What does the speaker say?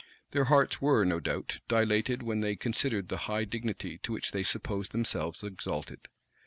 [*] Their hearts were, no doubt, dilated when they considered the high dignity to which they supposed themselves exalted.